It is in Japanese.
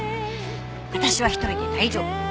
私は独りで大丈夫。